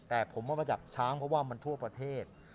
แต่ผมเอามาจับช้างเพราะว่ามันทั่วประเทศ